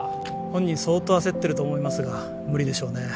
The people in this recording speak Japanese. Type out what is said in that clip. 本人相当焦ってると思いますが無理でしょうね